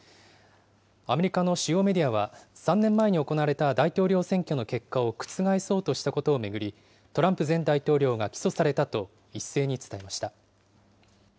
アメリカの主要メディアは、３年前に行われた大統領選挙の結果を覆そうとしたことを巡り、トランプ前大統領が起訴されたと一斉に伝えました。